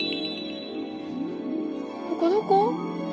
ここどこ？